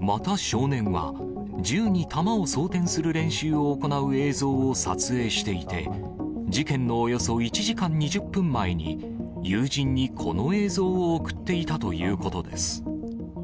また少年は、銃に弾を装填する練習を行う映像を撮影していて、事件のおよそ１時間２０分前に、友人にこの映像を送っていたということです。